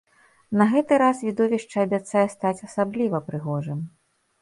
На гэты раз відовішча абяцае стаць асабліва прыгожым.